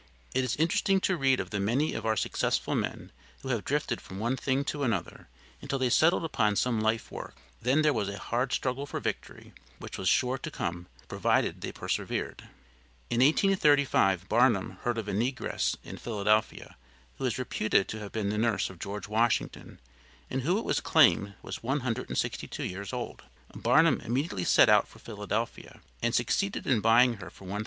It is interesting to read of the many of our successful men who have drifted from one thing to another until they settled upon some life work, then there was a hard struggle for victory, which was sure to come, provided they persevered. In 1835 Barnum heard of a negress in Philadelphia who was reputed to have been the nurse of George Washington, and who it was claimed was 162 years old. Barnum immediately set out for Philadelphia, and succeeded in buying her for $1,000.